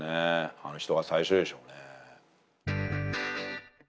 あの人が最初でしょうね。